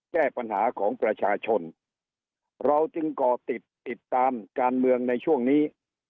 แก้ปัญหาของประชาชนเราจึงก่อติดติดตามการเมืองในช่วงนี้